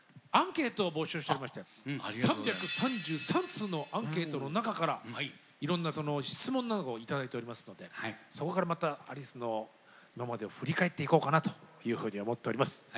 ３３３通のアンケートの中からいろんな質問などを頂いておりますのでそこからまたアリスの今までを振り返っていこうかなというふうに思っております。